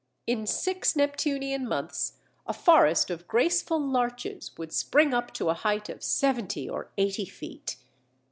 In six Neptunian months a forest of graceful larches would spring up to a height of seventy or eighty feet.